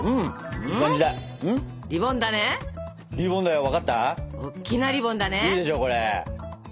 いいでしょこれ。